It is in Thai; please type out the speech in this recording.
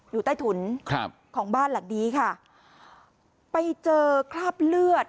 อยู่ใต้ถุนครับของบ้านหลังนี้ค่ะไปเจอคราบเลือด